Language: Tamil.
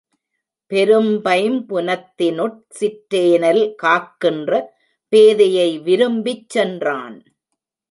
பெரும்பைம்புனத்தினுட் சிற்றேனல் காக்கின்ற பேதையை விரும்பிச் சென்றான்.